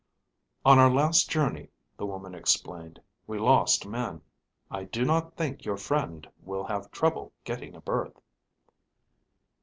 "On our last journey," the woman explained, "we lost men. I do not think your friend will have trouble getting a berth."